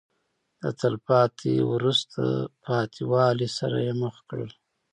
د تلپاتې وروسته پاتې والي سره یې مخ کړل.